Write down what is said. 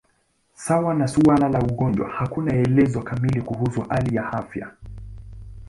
Sawa na suala la ugonjwa, hakuna elezo kamili kuhusu hali ya afya.